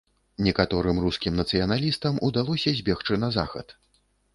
Некаторым рускім нацыяналістам удалося збегчы на захад.